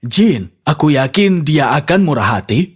jin aku yakin dia akan murah hati